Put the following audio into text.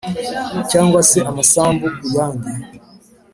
cyangwa se amasambu ku yandi,